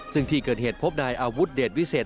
ซึ่งที่เกิดเหตุพบนายอาวุธเดชวิเศษ